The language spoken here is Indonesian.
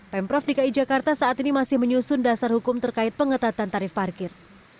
pemprov dki jakarta saat ini masih menyusun dasar hukum terkait pengetatan tarif parkir